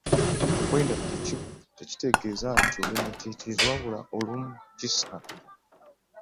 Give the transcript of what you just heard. Okwerinda tekitegeeza nti olimutiitiizi wabula olumu kisaanira.